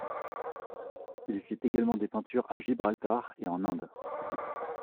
Il fit également des peintures à Gibraltar et en Inde.